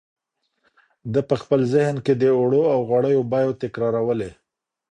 ده په خپل ذهن کې د اوړو او غوړیو بیې تکرارولې.